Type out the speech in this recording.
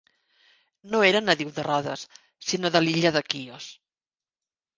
No era nadiu de Rodes sinó de l'illa de Quios.